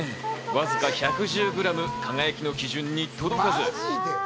わずか１１０グラム「輝」の基準に届かず。